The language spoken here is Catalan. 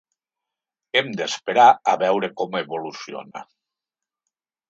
Hem d’esperar a veure com evoluciona.